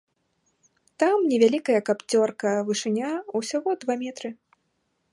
Там невялікая капцёрка, вышыня ўсяго два метры.